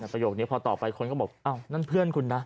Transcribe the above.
ประโยคนี้พอต่อไปคนก็บอกอ้าวนั่นเพื่อนคุณนะ